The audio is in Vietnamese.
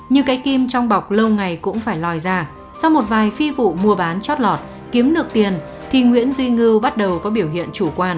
như cái kim trong bọc lâu ngày cũng phải lòi ra sau một vài phi vụ mua bán chót lọt kiếm được tiền thì nguyễn duy ngư bắt đầu có biểu hiện chủ quan